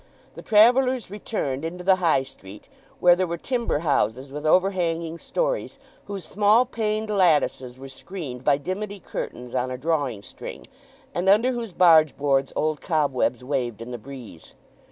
The travellers returned into the High Street, where there were timber houses with overhanging stories, whose small paned lattices were screened by dimity curtains on a drawing string, and under whose bargeboards old cobwebs waved in the breeze.